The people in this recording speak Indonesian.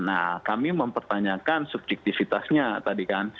nah kami mempertanyakan subjektifitasnya tadi kan